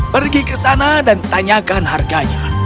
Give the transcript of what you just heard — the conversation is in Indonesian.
pergi ke sana dan tanyakan harganya